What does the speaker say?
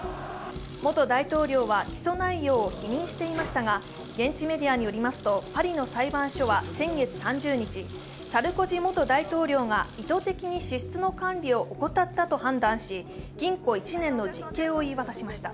元大統領は起訴内容を否認していましたが現地メディアによりますと、パリの裁判所は先月３０日サルコジ元大統領が意図的に支出の管理を怠ったと判断し禁錮１年の実刑を言い渡しました。